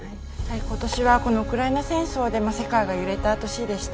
今年はウクライナ戦争で世界が揺れました。